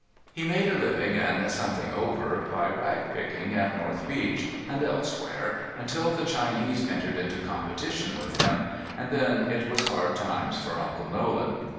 He made a living, and something over, by rag picking at North Beach and elsewhere, until the Chinese entered into competition with him, and then it was hard times for Uncle Nolan.